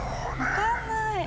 分かんない。